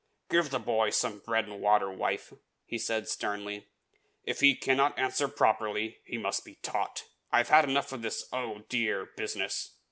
"Give the boy some bread and water, wife," he said sternly. "If he cannot answer properly, he must be taught. I have had enough of this 'oh, dear!' business."